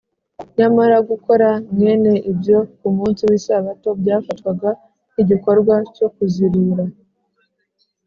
nyamara gukora mwene ibyo ku munsi w’isabato, byafatwaga nk’igikorwa cyo kuzirura